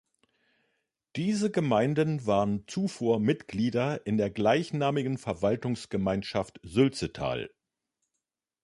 Diese Gemeinden waren zuvor Mitglieder in der gleichnamigen Verwaltungsgemeinschaft Sülzetal.